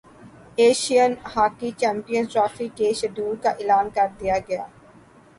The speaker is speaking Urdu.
ایشین ہاکی چیمپئنز ٹرافی کے شیڈول کا اعلان کردیا گیا